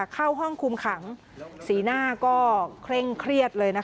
เข้าห้องคุมขังสีหน้าก็เคร่งเครียดเลยนะคะ